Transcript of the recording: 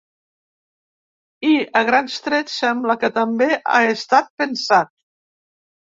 I, a grans trets, sembla que també ha estat pensat.